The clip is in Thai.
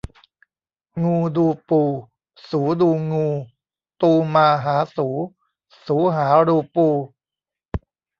งูดูปู สูดูงู ตูมาหาสู สูหารูปู